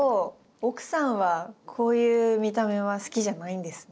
奥さんはこういう見た目は好きじゃないんですね。